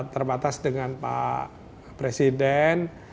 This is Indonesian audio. terbatas dengan pak presiden